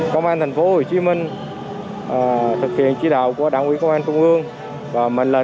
có những em bé sinh ra đã chịu cảnh bơ vơ